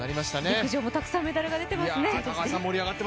陸上もたくさんメダルが出ていますね。